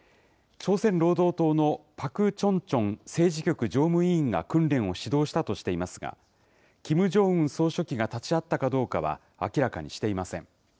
朝鮮労働党のパク・チョンチョン政治局常務委員が訓練を指導したとしていますが、キム・ジョンウン総書記が立ち会ったかどうかは明らかにしていません。